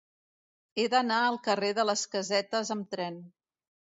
He d'anar al carrer de les Casetes amb tren.